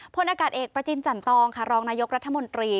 พลอากาศเอกประจินจันตองค่ะรองนายกรัฐมนตรี